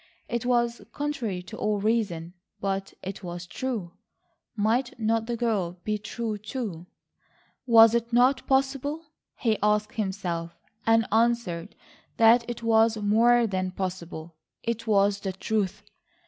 It was contrary to all reason, but it was true. Might not the girl be true too? Was it not possible, he asked himself, and answered that it was more than possible, it was the truth.